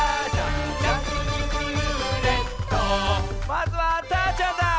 まずはたーちゃんだ！